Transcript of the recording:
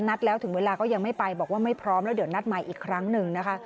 นัดแล้วถึงเวลาก็ยังไม่ไปบอกว่าไม่พร้อมแล้วเดี๋ยวนัดใหม่อีกครั้งหนึ่งนะคะ